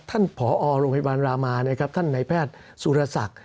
ท่านผอโรงพยาบาลรามาท่านไหนแพทย์สุรษัก